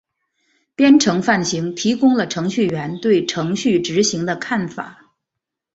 编程范型提供了程序员对程序执行的看法。